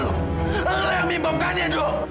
lo yang mimpamkannya dok